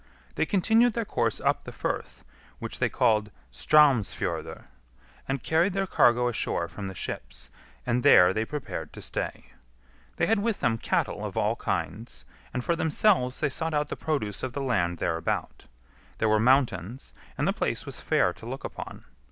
They continued their course up the firth, which they called Straumsfjordr, and carried their cargo ashore from the ships, and there they prepared to stay. They had with them cattle of all kinds, and for themselves they sought out the produce of the land thereabout. There were mountains, and the place was fair to look upon.